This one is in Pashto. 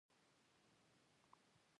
دا له دومره ارزښت څخه برخمن نه وو